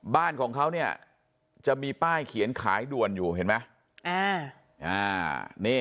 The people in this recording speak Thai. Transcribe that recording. บ้านของเขาเนี่ยจะมีป้ายเขียนขายด่วนอยู่เห็นไหม